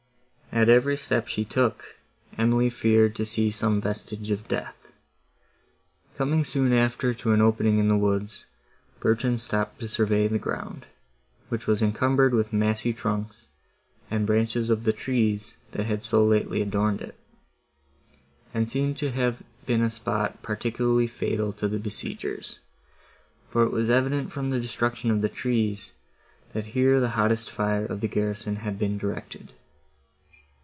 At every step she took, Emily feared to see some vestige of death. Coming soon after to an opening in the woods, Bertrand stopped to survey the ground, which was encumbered with massy trunks and branches of the trees, that had so lately adorned it, and seemed to have been a spot particularly fatal to the besiegers; for it was evident from the destruction of the trees, that here the hottest fire of the garrison had been directed.